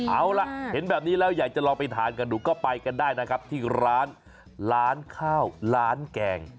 เอาล่ะเห็นแบบนี้แล้วอยากจะลองไปทานกันดูก็ไปกันได้นะครับที่ร้านร้านข้าวร้านแกง